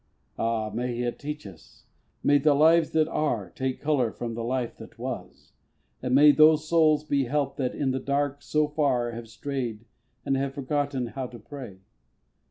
Ah! may it teach us may the lives that are Take colour from the life that was; and may Those souls be helped that in the dark so far Have strayed, and have forgotten how to pray!